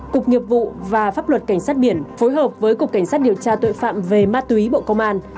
cục nghiệp vụ và pháp luật cảnh sát biển phối hợp với cục cảnh sát điều tra tội phạm về ma túy bộ công an